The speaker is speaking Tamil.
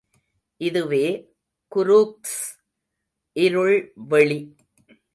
இதுவே குரூக்ஸ் இருள்வெளி.